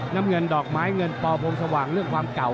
น้ำเงินดอกไม้เงินปพงสว่างเรื่องความเก่า